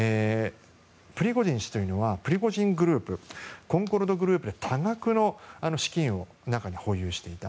プリゴジン氏というのはプリゴジングループコンコルドグループが多額の資金を保有していた。